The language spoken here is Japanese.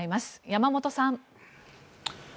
山本さん。